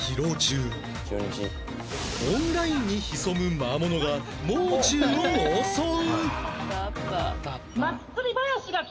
オンラインに潜む魔物がもう中を襲う